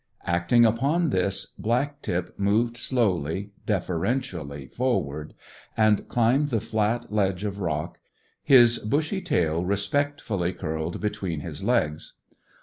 Acting upon this, Black tip moved slowly, deferentially forward, and climbed the flat ledge of rock, his bushy tail respectfully curled between his legs.